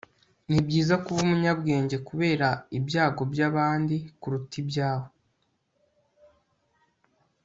nibyiza kuba umunyabwenge kubera ibyago by'abandi kuruta ibyawe